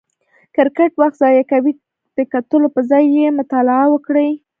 کرکټ وخت ضایع کوي، د کتلو پر ځای یې مطالعه وکړئ!